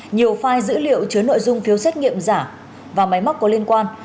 nhiều file dữ liệu chứa nội dung phiếu xét nghiệm giả và máy móc có liên quan